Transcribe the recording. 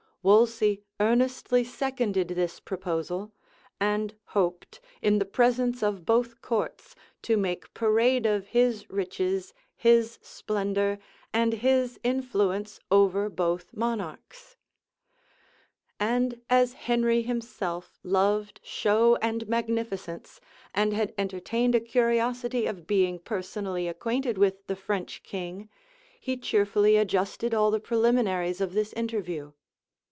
Wolsey earnestly seconded this proposal; and hoped, in the presence of both courts, to make parade of his riches, his splendor, and his influence over both monarchs.[*] * Polyd. Virg. lib. xxvii. And as Henry himself loved show and magnificence, and had entertained a curiosity of being personally acquainted with the French king, he cheerfully adjusted all the preliminaries of this interview.